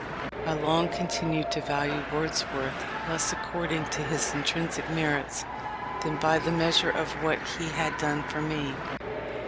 I long continued to value Wordsworth less according to his intrinsic merits, than by the measure of what he had done for me.